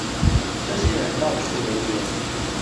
這些人到處留言